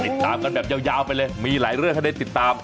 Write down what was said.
ติดตามกันแบบยาวไปเลยมีหลายเรื่องให้ได้ติดตาม